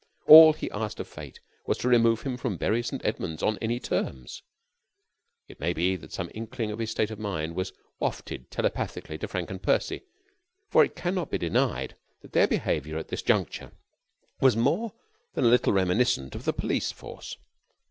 All he asked of Fate was to remove him from Bury St. Edwards on any terms. It may be that some inkling of his state of mind was wafted telepathically to Frank and Percy, for it can not be denied that their behavior at this juncture was more than a little reminiscent of the police force.